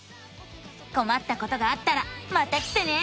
こまったことがあったらまた来てね！